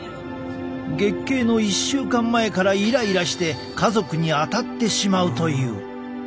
月経の１週間前からイライラして家族に当たってしまうという。